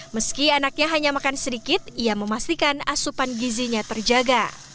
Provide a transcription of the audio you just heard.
meski anaknya hanya makan sedikit ia memastikan asupan gizinya terjaga